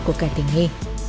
của cả tỉnh hì